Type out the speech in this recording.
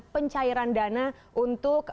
pencairan dana untuk